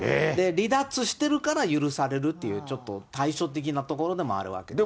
離脱してるから許されるっていう、ちょっと対照的なところでもあるわけですね。